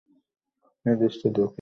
এটি দেশটির দক্ষিণ-পূর্ব দিকে অবস্থিত।